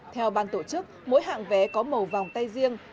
theo ban tổ chức mỗi hạng vé có màu vòng tay riêng